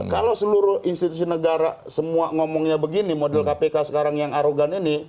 kalau seluruh institusi negara semua ngomongnya begini model kpk sekarang yang arogan ini